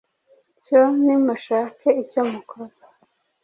Cyo nimushake icyo mukora